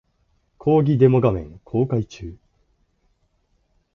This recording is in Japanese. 講義デモ画面公開中